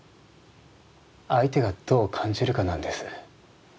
相手がどう感じるかなんです。